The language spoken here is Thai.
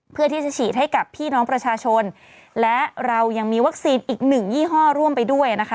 เพื่อที่จะฉีดให้กับพี่น้องประชาชนและเรายังมีวัคซีนอีกหนึ่งยี่ห้อร่วมไปด้วยนะคะ